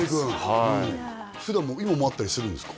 はい普段も今も会ったりするんですか？